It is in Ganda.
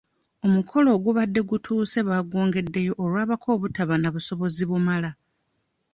Omukolo ogubadde gutuuse bagwongeddeyo olw'abako obutaba na busobozi bumala.